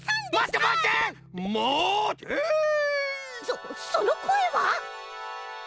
そそのこえは！